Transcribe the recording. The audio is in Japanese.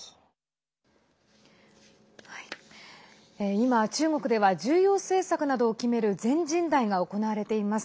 今、中国では重要政策などを決める全人代が行われています。